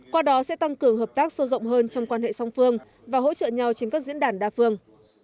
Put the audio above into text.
qua đó sẽ tăng cường hợp tác sâu rộng hơn trong quan hệ song phương và hỗ trợ nhau trên các diễn đàn đa phương